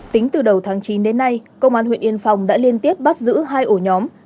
tính từ đầu tháng chín đến nay công an huyện yên phong đã liên tiếp bắt giữ hai ổ nhóm